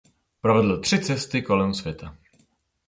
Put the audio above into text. Provedl tři cesty kolem světa.